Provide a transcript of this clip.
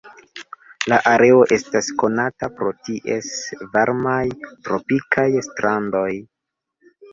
La areo estas konata pro ties varmaj tropikaj strandoj.